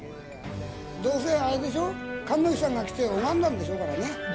どうせあれでしょ、神主さんが来て拝んだんでしょうからね。